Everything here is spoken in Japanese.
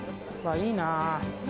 いいなぁ。